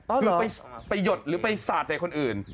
คือไปหยดหรือไปสาดใส่คนอื่น